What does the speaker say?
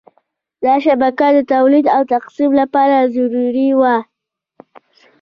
دا شبکه د تولید او تقسیم لپاره ضروري وه.